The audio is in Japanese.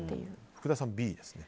福田さんはＢですね。